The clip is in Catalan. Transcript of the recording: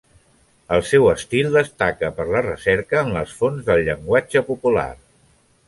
El seu estil destaca per la recerca en les fonts del llenguatge popular.